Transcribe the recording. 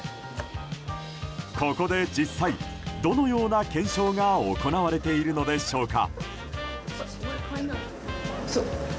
ここで実際どのような検証が行われているのでしょうか。